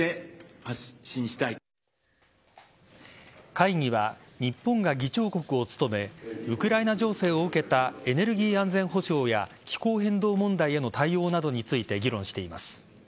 会議は日本が議長国を務めウクライナ情勢を受けたエネルギー安全保障や気候変動問題への対応などについて議論しています。